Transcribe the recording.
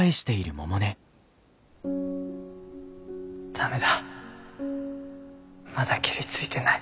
駄目だまだケリついてない。